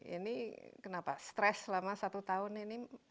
ini kenapa stres selama satu tahun ini